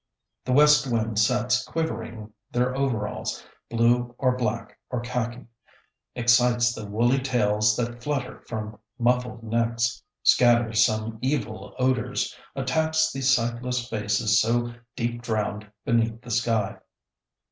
The west wind sets quivering their overalls, blue or black or khaki, excites the woolly tails that flutter from muffled necks, scatters some evil odors, attacks the sightless faces so deep drowned beneath the sky.